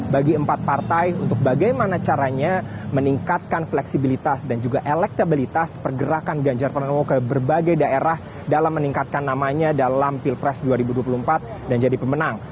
bagi empat partai untuk bagaimana caranya meningkatkan fleksibilitas dan juga elektabilitas pergerakan ganjar pranowo ke berbagai daerah dalam meningkatkan namanya dalam pilpres dua ribu dua puluh empat dan jadi pemenang